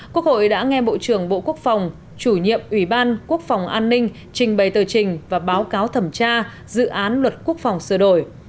quốc hội đã nghe bộ trưởng bộ quốc phòng chủ nhiệm ủy ban quốc phòng an ninh trình bày tờ trình và báo cáo thẩm tra dự án luật quốc phòng sửa đổi